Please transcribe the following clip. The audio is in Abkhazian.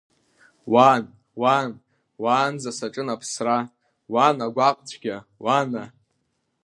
Уан, уан, уаанӡа саҿын аԥсра, уан агәаҟцәгьа, уана!